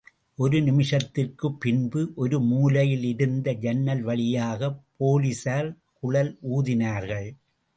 ஒரு நிமிஷத்திற்குப் பின்பு ஒரு மூலையிலிருந்த ஜன்னல் வழியாகப் போலிஸார் குழல் ஊதினார்கள்.